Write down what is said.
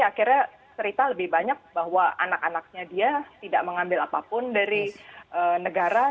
akhirnya cerita lebih banyak bahwa anak anaknya dia tidak mengambil apapun dari negara